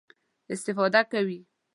استفاده کوي.